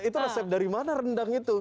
itu resep dari mana rendang itu